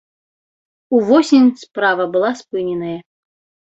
Увосень справа была спыненая.